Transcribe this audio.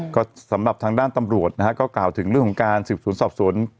ก็สำหรับทางด้านตำรวจนะฮะก็กล่าวถึงเรื่องของการสืบสวนสอบสวน